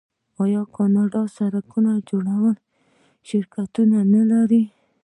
آیا کاناډا د سړک جوړولو شرکتونه نلري؟